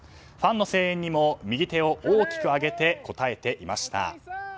ファンの声援にも右手大きく上げて応えていました。